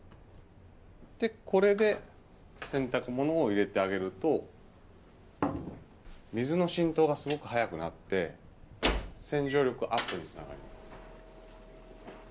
これで洗濯物を入れてあげると水の浸透がすごく早くなって洗浄力アップにつながる。